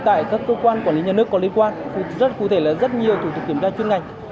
tại các cơ quan quản lý nhà nước có liên quan cụ thể là rất nhiều thủ tục kiểm tra chuyên ngành